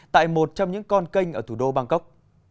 tại một trong những con kênh ở thủ đô bangkok